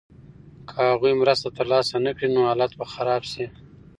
که هغوی مرسته ترلاسه نکړي نو حالت به خراب شي.